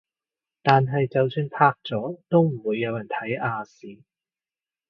但係就算拍咗都唔會有人睇亞視